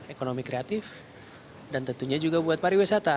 ekonomi kreatif dan tentunya juga buat pariwisata